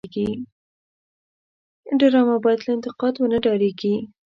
ډرامه باید له انتقاد ونه وډاريږي